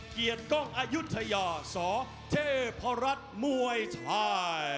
เกียรติกล้องอายุทยาสเทพรัฐมวยไทย